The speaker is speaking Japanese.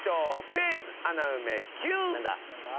フレーズ穴埋めＱ！